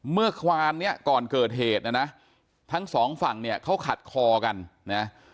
เมื่อวานเนี่ยก่อนเกิดเหตุนะนะทั้งสองฝั่งเนี่ยเขาขัดคอกันนะ